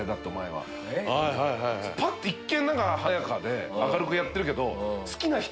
パッと一見華やかで明るくやってるけど。